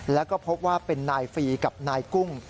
แล้วก็พบว่าเป็นนายฟรีกับนายกุ้ง